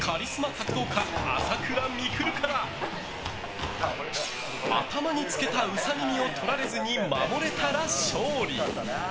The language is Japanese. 格闘家朝倉未来から頭に付けたウサ耳を取られずに守れたら勝利。